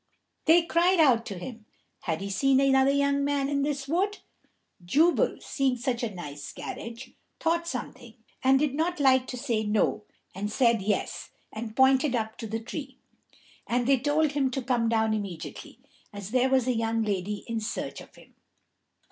They cried out to him, Had he seen another young man in this wood? Jubal, seeing such a nice carriage, thought something, and did not like to say No, and said Yes, and pointed up the tree; and they told him to come down immediately, as there was a young lady in search of him.